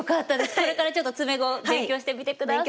これからちょっと詰碁勉強してみて下さい。